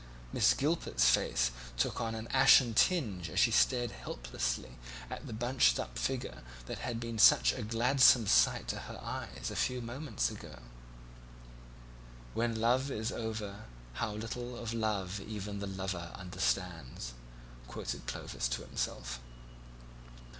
Miss Gilpet's face took on an ashen tinge as she stared helplessly at the bunched up figure that had been such a gladsome sight to her eyes a few moments ago. "When love is over, how little of love even the lover understands," quoted Clovis to himself.